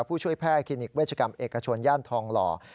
ผู้ช่วยแพทย์คลินิกเวชกรรมเอกชนย่านทองหล่อ